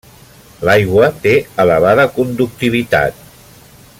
L'aigua té elevada conductivitat.